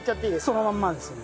そのまんまですね。